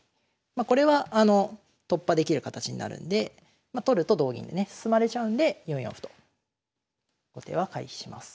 まこれはあの突破できる形になるんで取ると同銀でね進まれちゃうんで４四歩と後手は回避します。